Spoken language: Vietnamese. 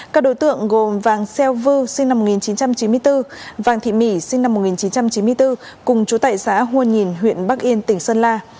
các đối tượng gồm vàng xeo vu sinh năm một nghìn chín trăm chín mươi bốn vàng thị mỹ sinh năm một nghìn chín trăm chín mươi bốn cùng chú tại xã hua nhìn huyện bắc yên tỉnh sơn la